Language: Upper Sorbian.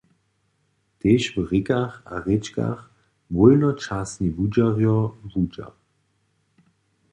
Tež w rěkach a rěčkach wólnočasni wudźerjo wudźa.